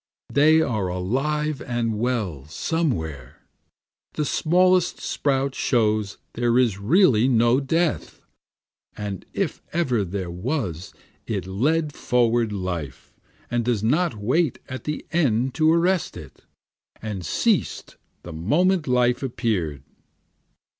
They are alive and well somewhere, The smallest sprout shows there is really no death, And if ever there was it led forward life, and does not wait at the end to arrest it, And ceas'd the moment life appear'd.